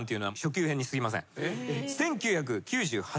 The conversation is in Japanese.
１９９８年。